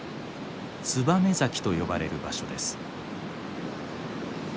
燕崎と呼ばれる場所です。